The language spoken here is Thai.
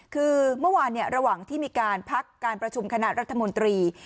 คือเมื่อวานระหว่างที่มีการพักการประชุมคณะรัฐมนตรี